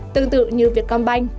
tương tự như việt con bành